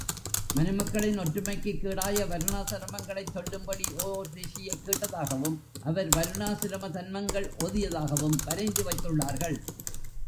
மனுமக்களின் ஒற்றுமைக்குக்கேடாய வருணாசிரமங்களைச் சொல்லும்படி ஓர் ரிஷியைக் கேட்டதாகவும், அவர் வருணாசிரம தன்மங்கள் ஓதியதாகவும் வரைந்து வைத்துள்ளார்கள்.